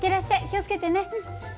気を付けてね。